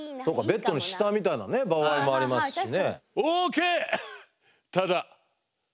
ベッドの下みたいなね場合もありますしね。ＯＫ！